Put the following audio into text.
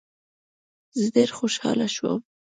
زه ډېر خوشاله شوم.